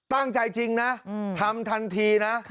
ตั้งใจจริงนะทำทันทีนะ